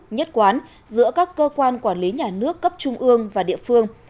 nhất quán giữa các cơ quan quản lý nhà nước cấp trung ương và địa phương